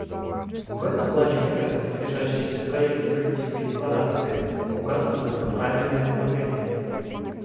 В этом плане меры, содержащиеся в проекте политической декларации, указывают нам правильное направление.